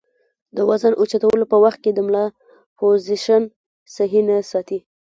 د وزن اوچتولو پۀ وخت د ملا پوزيشن سهي نۀ ساتي